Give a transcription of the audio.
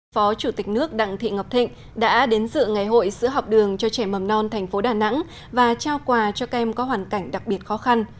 phó chủ tịch nước đặng thị ngọc thịnh đã đến dự ngày hội sữa học đường cho trẻ mầm non thành phố đà nẵng và trao quà cho kem có hoàn cảnh đặc biệt khó khăn